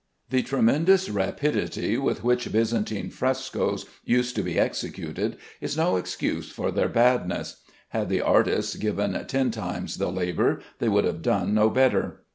The tremendous rapidity with which Byzantine frescoes used to be executed is no excuse for their badness. Had the artists given ten times the labor they would have done no better.